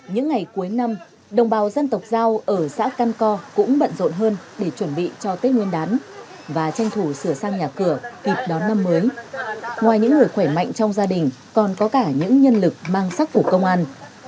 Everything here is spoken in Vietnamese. những ngày cuối năm đồng bào dân tộc giao ở xã căn co cũng bận rộn hơn để chuẩn bị cho tết nguyên đán và tranh thủ sửa sang nhà cửa kịp đón năm mới ngoài những người khỏe mạnh trong gia đình còn có cả những nhân lực mang sắc của công an